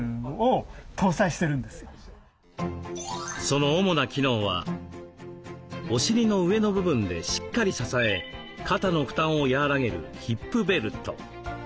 その主な機能はお尻の上の部分でしっかり支え肩の負担を和らげるヒップベルト。